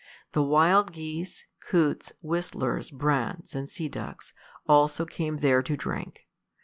The wild geese, coots, whistlers, brants, and sea ducks also came there to drink.